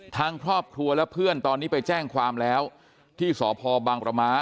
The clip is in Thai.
ทางครอบครัวและเพื่อนตอนนี้ไปแจ้งความแล้วที่สพบังประมะ